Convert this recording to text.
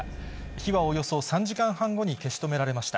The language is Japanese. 火はおよそ３時間半後に消し止められました。